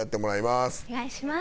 お願いします。